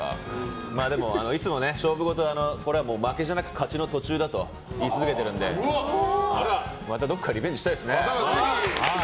でもいつも勝負事は負けじゃなくて勝ちの途中だと言い続けているのでまたどこかでリベンジしたいですね。